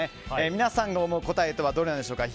皆さんが思う答えはどれでしょうか。